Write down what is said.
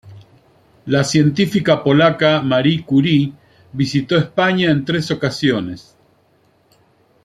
La científica polaca Marie Curie visitó España en tres ocasiones.